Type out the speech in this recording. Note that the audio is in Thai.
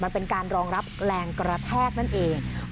มันเป็นการรองรับแรงกระแทกนั่นเอง